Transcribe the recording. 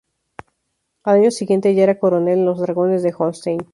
Al año siguiente ya era coronel en los dragones de Holstein.